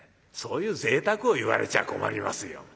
そういうぜいたくを言われちゃ困りますよ。